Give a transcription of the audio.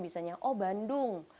bisanya oh bandung